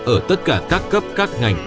ở tất cả các cấp các ngành